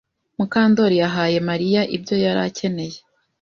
Mukandori yahaye Mariya ibyo yari akeneye.